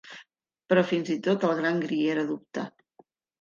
Però fins i tot el gran Griera dubta.